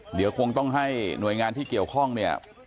เดี๋ยวคงต้องให้หน่วยงานที่เกี่ยวข้องเนี่ย